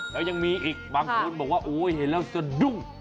แล้วยังมีอีกบางคนบอกว่าโอ้ยเห็นแล้วสะดุ้ง